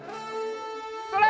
それ！